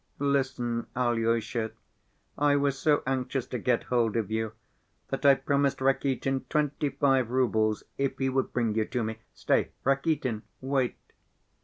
Listen, Alyosha. I was so anxious to get hold of you that I promised Rakitin twenty‐five roubles if he would bring you to me. Stay, Rakitin, wait!"